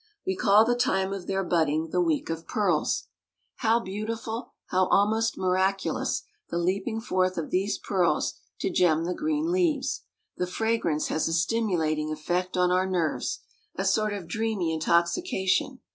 We call the time of their budding the week of pearls. How beautiful, how almost miraculous, the leaping forth of these pearls to gem the green leaves! The fragrance has a stimulating effect on our nerves, a sort of dreamy intoxication.